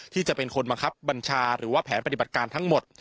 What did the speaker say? ที่จะเป็นคนบังคับบัญชาหรือว่าแผนปฏิบัติการทั้งหมด